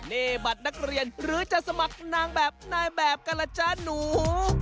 นี่บัตรนักเรียนหรือจะสมัครนางแบบนายแบบกันล่ะจ๊ะหนู